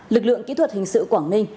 lực lượng kỹ thuật hình sự quảng ninh